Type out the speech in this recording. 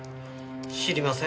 知りません。